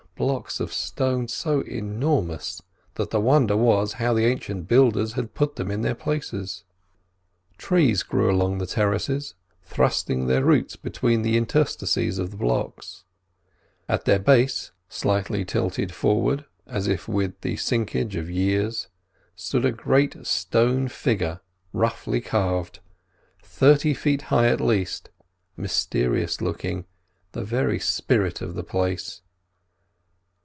Blocks of stone so enormous, that the wonder was how the ancient builders had put them in their places. Trees grew along the terraces, thrusting their roots between the interstices of the blocks. At their base, slightly tilted forward as if with the sinkage of years, stood a great stone figure roughly carved, thirty feet high at least—mysterious looking, the very spirit of the place.